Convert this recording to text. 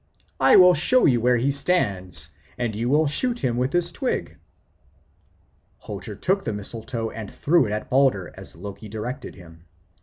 I will show you where he stands, and do you shoot at him with this twig." Hother took the mistletoe and threw it at Balder, as Loki directed him.